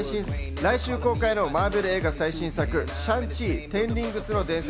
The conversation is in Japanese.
来週公開のマーベル映画最新作『シャン・チー／テン・リングスの伝説』。